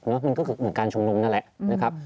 มันก็คือเหมือนการชุมนุมนั่นแหละนะครับ